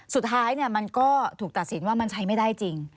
สุดท้ายมันก็ถูกตัดสินว่ามันใช้ไม่ได้จริง